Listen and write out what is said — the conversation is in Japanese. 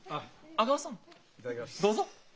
どうぞ。